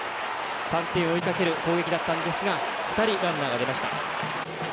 ３点を追いかける攻撃だったんですが２人、ランナーが出ました。